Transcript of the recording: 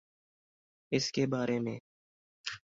اس کے بارے میں